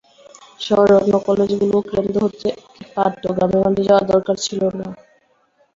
শহরের অন্য কলেজগুলোও কেন্দ্র হতে পারত, গ্রামে-গঞ্জে যাওয়ার দরকার ছিল না।